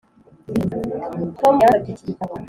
tom yansabye iki gitabo.